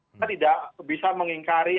kita tidak bisa mengingkari